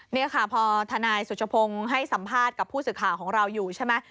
นี่ค่ะพอทนายสุชพงศ์ให้สัมภาษณ์กับผู้สื่อข่าวของเราอยู่ใช่ไหม